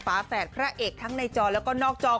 ฟ้าแหกพระเอกทั้งในจอและหนอกจอ